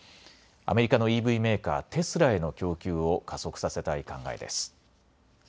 アメリカのＥＶメーカー、テスラへの供給を加速させたい考えです。